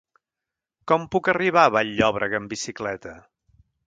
Com puc arribar a Vall-llobrega amb bicicleta?